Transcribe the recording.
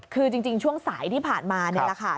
คือจริงช่วงสายที่ผ่านมานี่แหละค่ะ